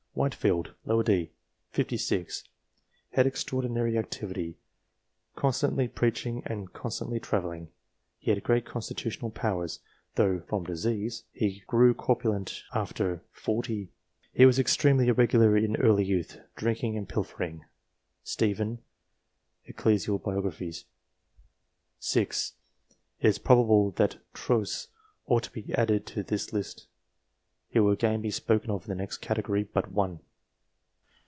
Whitefield, d. set. 56 ; had extraordinary activity, constantly preaching and con stantly travelling. He had great constitutional powers, though, "from disease," he grew corpulent after set. 40. He was extremely irregular in early youth, drinking and pilfering (Stephen, " Eccl. Biog."). [6.] It is probable that Trosse ought to be added to this list. He will again be spoken of in the next category but one.